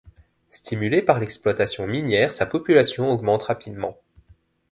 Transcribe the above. Stimulée par l'exploitation minière, sa population augmente rapidement.